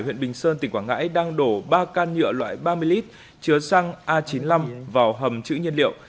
huyện bình sơn tỉnh quảng ngãi đang đổ ba can nhựa loại ba mươi lít chứa xăng a chín mươi năm vào hầm chữ nhiên liệu